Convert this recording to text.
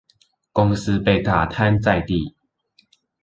公司被打癱在地